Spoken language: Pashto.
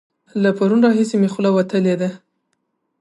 له پرونه راهسې مې خوله وتلې ده.